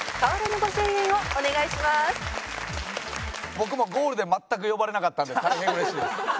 僕もゴールデン全く呼ばれなかったので大変嬉しいです。